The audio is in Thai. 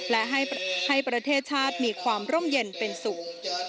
และให้ประเทศชาติมีความร่มเย็นเป็นสุข